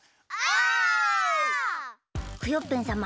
クヨッペンさま